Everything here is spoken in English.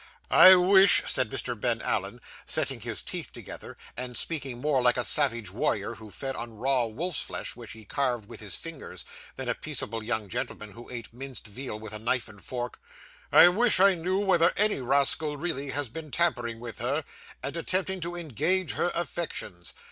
'I wish,' said Mr. Ben Allen, setting his teeth together, and speaking more like a savage warrior who fed on raw wolf's flesh which he carved with his fingers, than a peaceable young gentleman who ate minced veal with a knife and fork 'I wish I knew whether any rascal really has been tampering with her, and attempting to engage her affections.